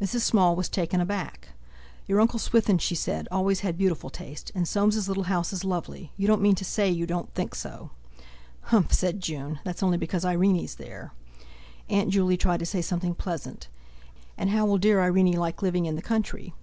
Mrs. Small was taken aback. "Your Uncle Swithin," she said, "always had beautiful taste! And Soames's little house is lovely; you don't mean to say you don't think so!" "H'mph!" said June, "that's only because Irene's there!" Aunt Juley tried to say something pleasant: "And how will dear Irene like living in the country?"